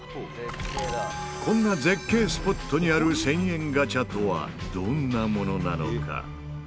こんな絶景スポットにある１０００円ガチャとはどんなものなのか？